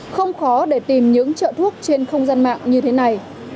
không khó để tìm những trợ thuốc trên không gian mạng như thế này